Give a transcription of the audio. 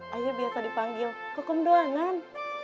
jayanya biasa dipanggil kokum doangan